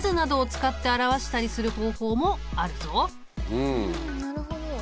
うんなるほど。